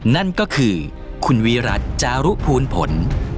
นั่นก็คือคุณวิรัติจารุภูลผล